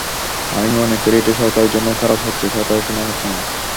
আমি মনে করি এটা সরকারের জন্যও খারাপ হচ্ছে, সরকারের সুনাম হচ্ছে না।